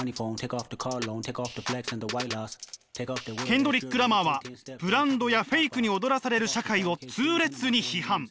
ケンドリック・ラマーはブランドやフェイクに踊らされる社会を痛烈に批判！